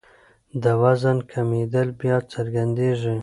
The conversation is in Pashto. د وزن کمېدل بیا څرګندېږي.